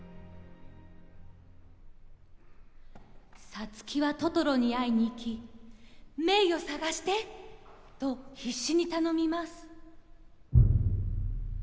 サツキはトトロに会いに行き「メイを捜して！」と必死に頼みます。